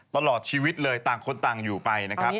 ตลอดชีวิตเลยต่างคนต่างอยู่ไป